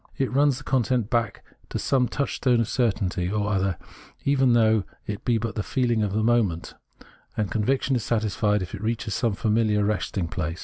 It runs the content back to some touchstone of certainty or other, even though it be but the feeling of the moment ; and conviction is satisfied if it reaches some familiar resting place.